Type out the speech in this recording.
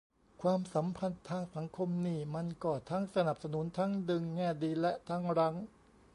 ความสัมพันธ์ทางสังคมนี่มันก็ทั้งสนับสนุน ทั้งดึง แง่ดี และทั้งรั้ง